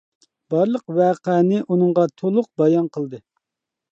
بارلىق ۋەقەنى ئۇنىڭغا تولۇق بايان قىلدى.